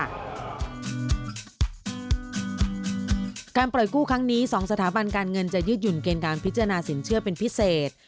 การปล่อยกู้ครั้งนี้๒สถาบันการเงินจะยืดหยุ่นเกณฑ์การพิจารณาสินเชื่อเป็นพิเศษ